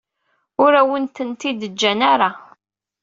Ur awen-tent-id-ǧǧan ara.